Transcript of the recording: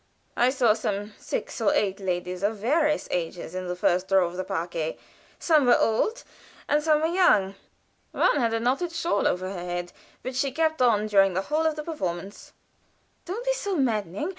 "I saw some six or eight ladies of various ages in the first row of the parquet. Some were old and some were young. One had a knitted shawl over her head, which she kept on during the whole of the performance." "Don't be so maddening.